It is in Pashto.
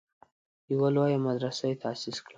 یوه لویه مدرسه یې تاسیس کړه.